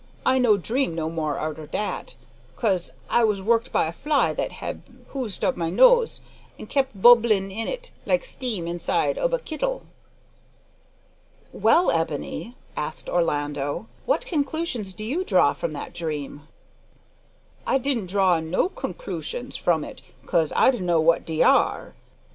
"I no dream no more arter dat, 'cause I was woked by a fly what hab hoed up my nose, an' kep' bumblin' in it like steam inside ob a kittle." "Well, Ebony," asked Orlando, "what conclusions do you draw from that dream?" "I di'nt draw no kungklooshins from it 'cos I dunno what de are.